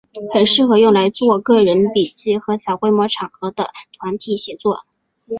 很适合用来做个人笔记和小规模场合的团体写作。